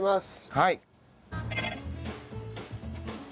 はい。